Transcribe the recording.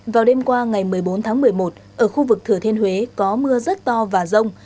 vào đêm qua ngày một mươi bốn tháng một mươi một ở khu vực thừa thiên huế có mưa rất to và rông